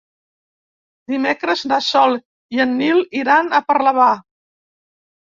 Dimecres na Sol i en Nil iran a Parlavà.